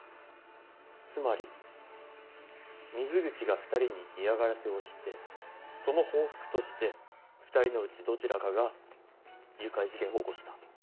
つまり水口が２人に嫌がらせをしてその報復として２人のうちどちらかが誘拐事件を起こした。